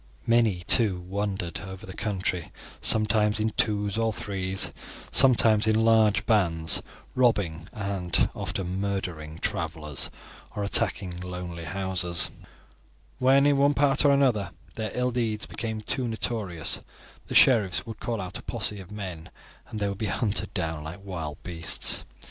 Many, too, wandered over the country, sometimes in twos or threes, sometimes in large bands, robbing and often murdering travelers or attacking lonely houses. When in one part or another their ill deeds became too notorious, the sheriffs would call out a posse of men and they would be hunted down like wild beasts.